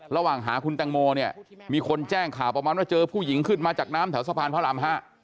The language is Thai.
ระหว่างหาคุณแตงโมเนี่ยมีคนแจ้งข่าวประมาณว่าเจอผู้หญิงขึ้นมาจากน้ำแถวสะพานพระราม๕